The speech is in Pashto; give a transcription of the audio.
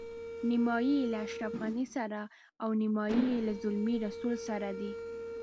نیمایي یې له اشرف غني سره او نیمایي له زلمي رسول سره دي.